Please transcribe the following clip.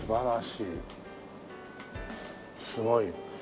すごい。